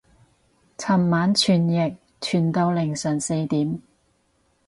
尋晚傳譯傳到凌晨四點